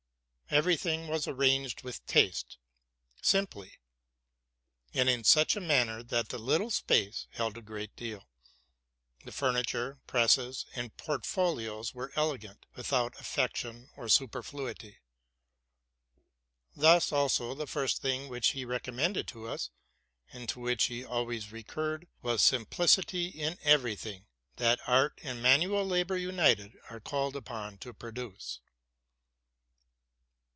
Every thing was arranged with taste, simply, and in such a manner that the little space held a great deal. The furniture, presses, and portfolios were elegant, without affection or superfluity. Thus also the first thing which he recommended to us, and to which he always recurred, was simplicity in every thing that art and manual labor united are called upon to produce.